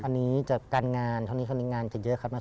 อันนี้จะการงานช่วงนี้การงานจะเยอะครับนะ